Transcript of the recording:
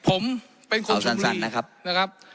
ผมเป็นคนชมลี